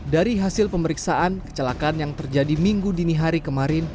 dari hasil pemeriksaan kecelakaan yang terjadi minggu dini hari kemarin